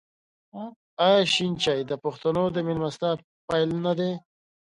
آیا شین چای د پښتنو د میلمستیا پیل نه دی؟